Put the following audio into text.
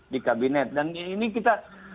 di kabinet dan ini kita